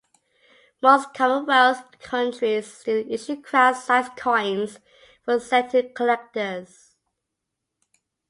Most Commonwealth countries still issue crown-sized coins for sale to collectors.